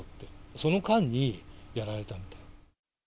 その間にやられた。